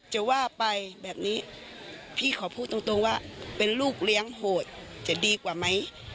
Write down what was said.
จะว่าไปแบบนี้พี่ขอพูดตรงว่าเป็นลูกเลี้ยงโหดจะดีกว่าไหม